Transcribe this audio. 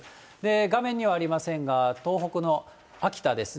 画面にはありませんが、東北の秋田ですね。